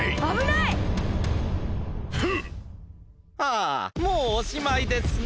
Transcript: あもうおしまいですね。